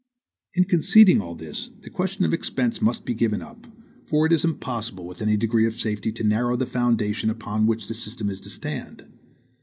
In conceding all this, the question of expense must be given up; for it is impossible, with any degree of safety, to narrow the foundation upon which the system is to stand.